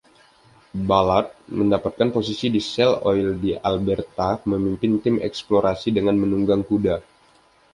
Ballard mendapatkan posisi di Shell Oil di Alberta, memimpin tim eksplorasi dengan menunggang kuda.